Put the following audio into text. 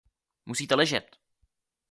Musíte ležet!